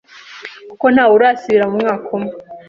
kuko ntawe urasibira mu mwaka umwe.